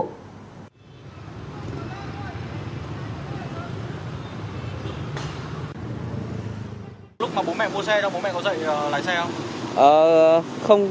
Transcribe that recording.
vậy thì bố mẹ có dạy lấy xe không